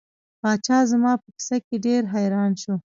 پاچا زما په کیسه ډیر حیران شو.